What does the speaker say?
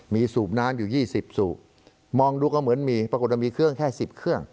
มีสูบน้ำอยู่๒๐สูบมองดูก็เหมือนมีปรากฏว่ามีเครื่องแค่๑๐เครื่อง